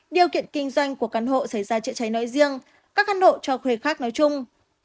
điều kiện kinh doanh của căn hộ xảy ra chữa cháy nói riêng các căn hộ cho thuê khác nói chung